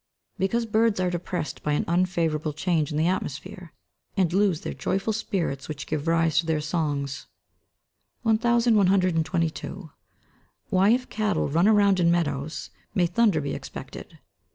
_? Because birds are depressed by an unfavourable change in the atmosphere, and lose those joyful spirits which give rise to their songs. 1122. _Why if cattle run around in meadows, may thunder be expected?